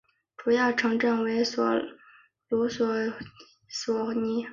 主要城镇为隆勒索涅。